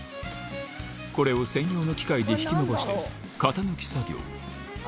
これを専用の機械で引き延ばして型抜き作業。